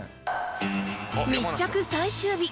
密着最終日